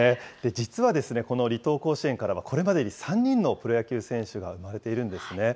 実はですね、この離島甲子園からはこれまでに３人のプロ野球選手が生まれているんですね。